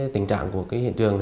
tình trạng của hiện trường